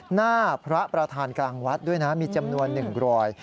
หน้าพระประธานกลางวัดด้วยนะมีจำนวน๑รอย